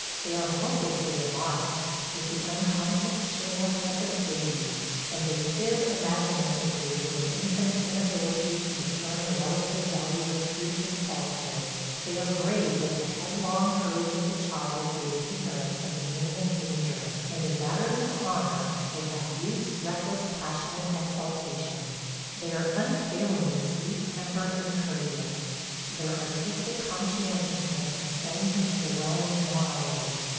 They are hopelessly immodest, with the unconscious shamelessness of babies, and they fib imaginatively with an infant's inability to discern the relative value of truth and falsehood. They are brave with the headlong courage of the child who is ignorant of the meaning of danger, and in matters of honor they have youth's reckless passionate exaltation. They are unfailingly sweet tempered and courteous. Their artistic conscientiousness ascends into the realm of morality.